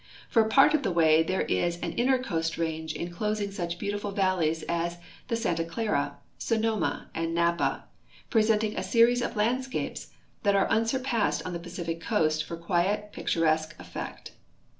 For a part of the way there is an inner coast range inclosing such beautiful valleys as the Santa Clara, Sonoma, and Napa, presenting a series of landscapes that are unsurpassed on the Pacific coast for quiet })icturesque effect.